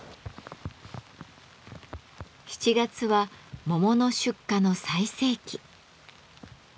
７月は桃の出荷の最盛期。